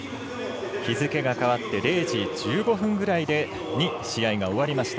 日付が変わって０時１５分ぐらいに試合が終わりました。